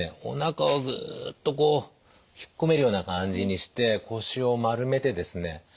おなかをグッとこう引っ込めるような感じにして腰を丸めてですね